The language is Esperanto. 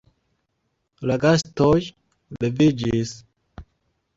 La gastoj leviĝis.